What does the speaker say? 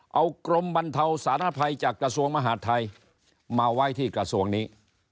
เอากรมบรรเทาสารภัยจากกระทรวงมหาดไทยมาไว้ที่กระทรวงนี้